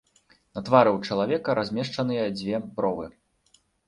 На твары ў чалавека размешчаныя дзве бровы.